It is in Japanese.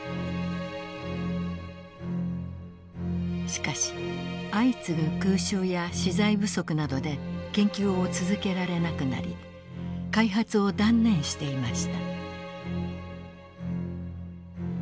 しかし相次ぐ空襲や資材不足などで研究を続けられなくなり開発を断念していました。